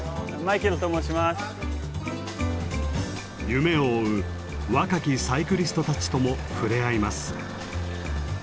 夢を追う若きサイクリストたちとも触れ合います。